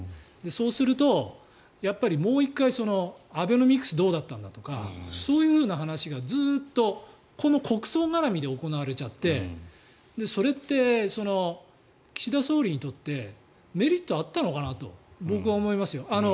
そうすると、もう１回アベノミクスどうだったんだとかそういう話がずっとこの国葬絡みで行われちゃってそれって岸田総理にとってメリットがあったのかなと僕は思いますよ。